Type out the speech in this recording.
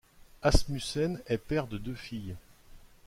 Asmussen est père de deux filles.